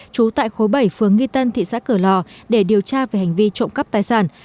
trú tại khối bảy phương nghi tân thị xã cửa lò để điều tra về hành vi trộm cắp tài sản